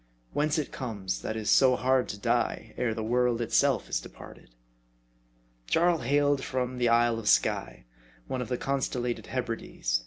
Whence it comes, that it is so hard to die, ere the world itself is de parted. Jarl hailed from the isle of Skye, one of the constellated Hebrides.